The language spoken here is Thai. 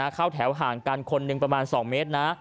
เข้าแถวห่างกันคนหนึ่งประมาณ๒เมตรนะ